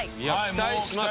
期待しますよ！